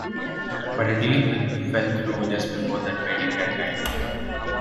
But a deal with fell through just before the trading deadline.